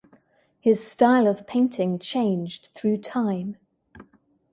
His style of painting changed through time.